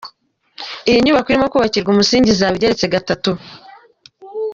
Iyi nyubako irimo kubakirwa umusingi izaba igeretse gatatu.